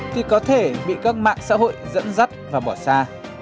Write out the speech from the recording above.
thì có thể bị các mạng xã hội dẫn dắt và bỏ xa